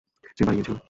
সে বাড়ি গিয়েছিল।